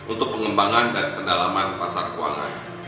untuk pengembangan dan pendalaman pasar keuangan